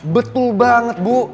betul banget bu